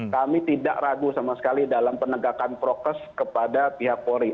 kami tidak ragu sama sekali dalam penegakan prokes kepada pihak polri